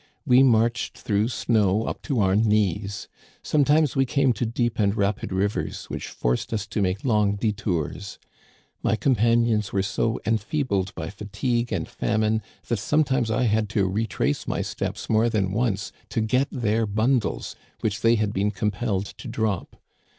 We marched through snow up to our knees. Sometimes we came to deep and rapid rivers, which forced us to make long détours. My companions were so enfeebled by fatigue and famine that sometimes I had to retrace my steps more than once to get their bundles, which they had been compelled to drop.